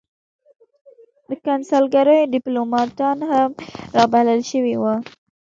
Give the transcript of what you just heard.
د کنسلګریو دیپلوماتان هم را بلل شوي وو.